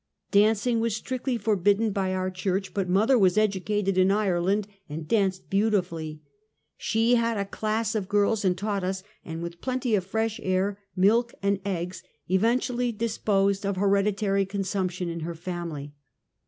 Dancing was strictly forbidden by our church, but mother was educated in Ireland and danced beauti fully. She had a class of girls and tanght us, and with plenty of fresh air, milk and eggs, eflectually dis posed of hereditary consumption in her family.